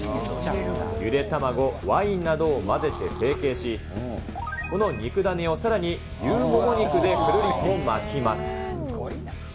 ゆで卵、ワインなどを混ぜて成形し、この肉だねをさらに牛モモ肉でくるりと巻きます。